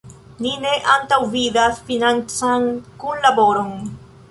Ni ne antaŭvidas financan kunlaboron.